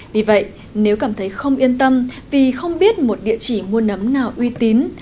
vì vậy nếu cảm thấy không yên tâm vì không biết một địa chỉ mua nấm nào uy tín